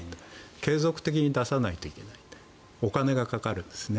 継続的に出さないといけないお金がかかるんですね。